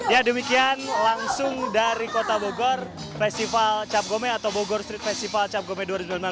ya demikian langsung dari kota bogor festival cap gome atau bogor street festival cap gome dua ribu sembilan belas